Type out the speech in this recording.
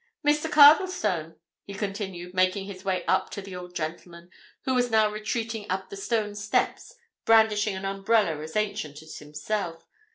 Mr. Cardlestone," he continued, making his way up to the old gentleman who was now retreating up the stone steps, brandishing an umbrella as ancient as himself.